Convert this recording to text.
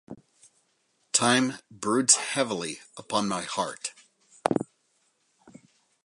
Time broods heavily upon my heart.